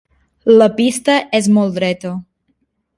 La pista és molt dreta.